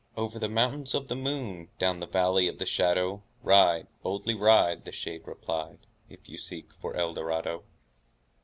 "Over the Mountains Of the Moon, Down the Valley of the Shadow, Ride, boldly ride," The shade replied,— "If you seek for Eldorado!"